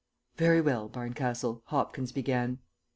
"Very well, Barncastle," Hopkins began.